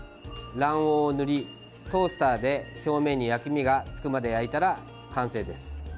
卵黄を塗り、トースターで表面に焼き目がつくまで焼いたら完成です。